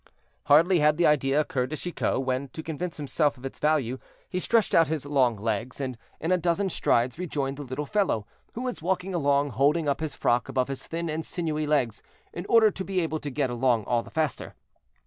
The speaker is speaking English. Hardly had the idea occurred to Chicot, when, to convince himself of its value, he stretched out his long legs, and in a dozen strides rejoined the little fellow, who was walking along holding up his frock above his thin and sinewy legs in order to be able to get along all the faster.